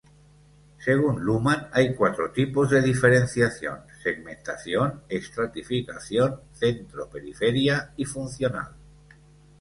Según Luhmann hay cuatro tipos de diferenciación: segmentación, estratificación, centro-periferia y funcional.